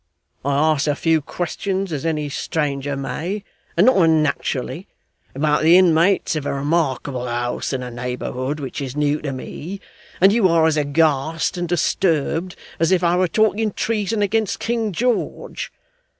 I ask a few questions as any stranger may, and not unnaturally about the inmates of a remarkable house in a neighbourhood which is new to me, and you are as aghast and disturbed as if I were talking treason against King George.